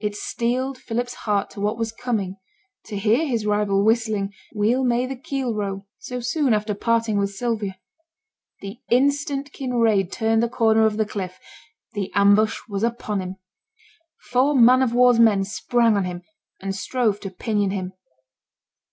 It steeled Philip's heart to what was coming to hear his rival whistling, 'Weel may the keel row,' so soon after parting with Sylvia. The instant Kinraid turned the corner of the cliff, the ambush was upon him. Four man of war's men sprang on him and strove to pinion him.